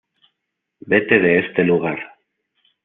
Vete de este lugar.